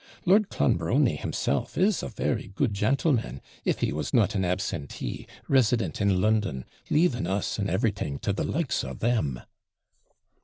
Lord Clonbrony himself is a very good jantleman, if he was not an absentee, resident in London, leaving us and everything to the likes of them.'